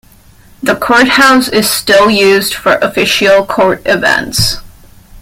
The courthouse is still used for official court events.